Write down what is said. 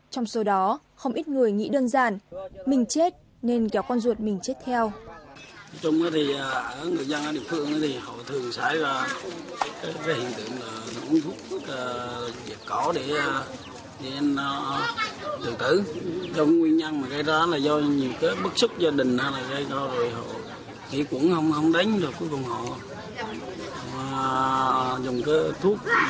trong số đó không ít người nghĩ đơn giản mình chết nên kéo con ruột mình chết